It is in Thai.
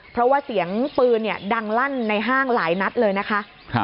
เพราะว่าเสียงปืนดังลั่นในห้างหลายนัดเลยนะคะ